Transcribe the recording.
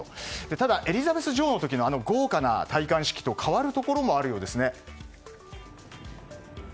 ただ、エリザベス女王の時の豪華な戴冠式と変わるところもあるようですね。